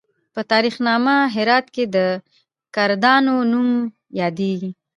په تاریخ نامه هرات کې د کردانو نوم یادیږي.